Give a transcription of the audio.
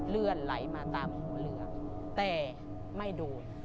เลื่อนไหลมาตามหัวเรือแต่ไม่โดน